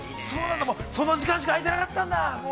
◆その時間しか空いてなかったんだ。